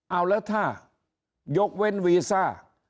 เอาแล้วถ้ายกเว้นวีซ่า